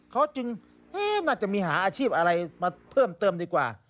เขาจึงน่าจะมีหาอาชีพอะไรมาเพิ่มเติมดีกว่า